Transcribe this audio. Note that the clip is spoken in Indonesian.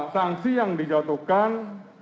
sanksi yang dijatuhkan